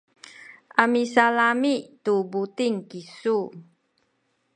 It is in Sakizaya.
a misalami’ tu buting kisu.